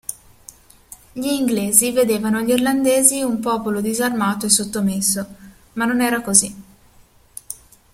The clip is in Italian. Gli inglesi vedevano gli irlandesi un popolo disarmato e sottomesso ma non era così.